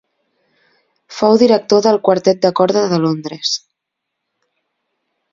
Fou director del Quartet de Corda de Londres.